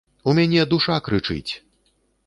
У мяне душа крычыць!